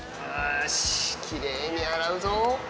きれいに洗うぞ。